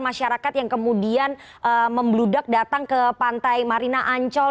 masyarakat yang kemudian membludak datang ke pantai marina ancol